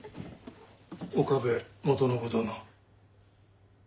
岡部元信殿。